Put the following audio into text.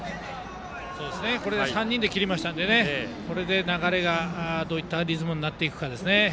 これで３人で切りましたのでこれで流れがどういったリズムになっていくかですね。